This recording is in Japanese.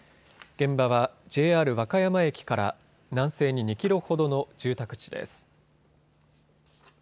現場はＪＲ和歌山駅から南西に２キロほどの住宅地です。